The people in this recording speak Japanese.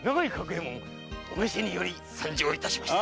右衛門お召しにより参上いたしました。